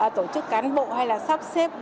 tổ chức cán bộ hay là sắp xếp